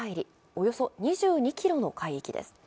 およそ２２ｋｍの海域です。